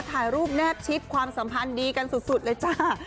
ถ่ายรูปแนบชิดความสัมพันธ์ดีกันสุดเลยจ้า